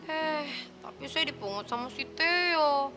eh tapi saya dipungut sama si teo